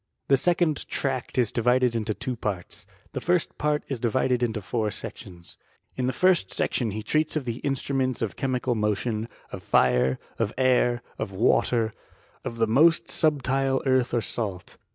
The second tract is divided into two parts. Thefiiit nart is subdivided into four sections. In the ^xit tOEOS; IK CBSUIIIBI. EectioH he treats of the instruments of chemical mo tion, of fire, of air, of water, of the most subtile earth or salt.